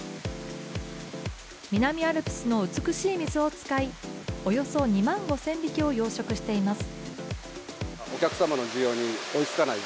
南アルプスの美しい水を使い、およそ２万５０００匹を養殖しています